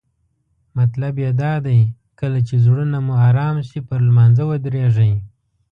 مطلب یې دا دی کله چې زړونه مو آرام شي پر لمانځه ودریږئ.